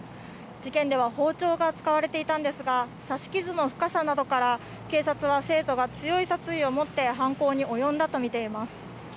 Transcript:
事件では包丁が使われていたんですが、刺し傷の深さなどから、警察は生徒が強い殺意を持って犯行に及んだと見ています。